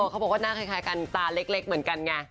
เขาบอกว่าหน้าคล้ายกันตาเล็กเหมือนกันไง